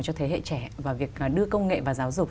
cho thế hệ trẻ và việc đưa công nghệ vào giáo dục